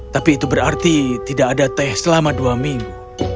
tapi itu berarti tidak ada teh selama dua minggu